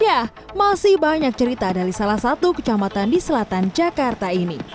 ya masih banyak cerita dari salah satu kecamatan di selatan jakarta ini